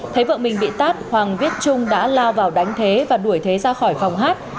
thấy vợ mình bị tát hoàng viết trung đã lao vào đánh thế và đuổi thế ra khỏi phòng hát